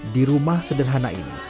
di rumah sederhana ini